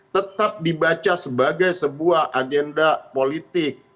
tetap dibaca sebagai sebuah agenda politik